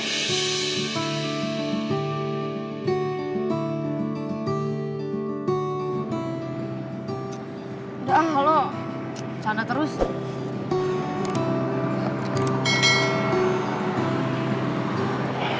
udah ah lo bercanda terus